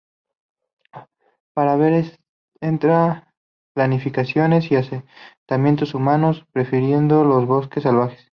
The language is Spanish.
Rara vez entra plantaciones y asentamientos humanos, prefiriendo los bosque salvajes.